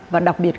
và đặc biệt